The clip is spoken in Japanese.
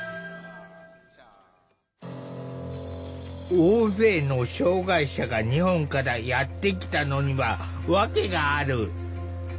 大勢の障害者が日本からやって来たのには訳がある。